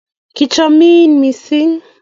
Kichamin missing